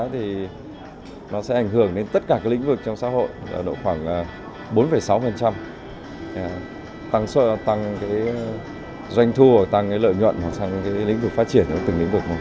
doanh thu hoặc tăng lợi nhuận hoặc tăng lĩnh vực phát triển từng lĩnh vực